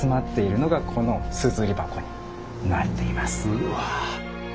うわ！